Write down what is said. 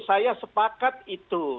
saya sepakat itu